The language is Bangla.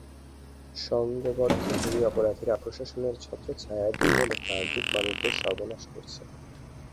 সংঘবদ্ধ ভূমি অপরাধীরা প্রশাসনের ছত্রচ্ছায়ায় দুর্বল ও প্রান্তিক মানুষের সর্বনাশ করছে।